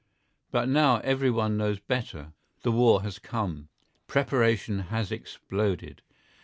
But now everyone knows better. The war has come. Preparation has exploded.